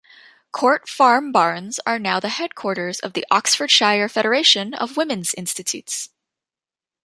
Court Farm Barns are now the headquarters of the Oxfordshire Federation of Women's Institutes.